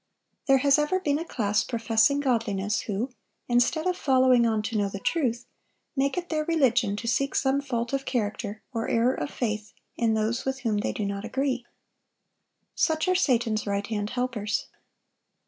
There has ever been a class professing godliness, who, instead of following on to know the truth, make it their religion to seek some fault of character or error of faith in those with whom they do not agree. Such are Satan's right hand helpers.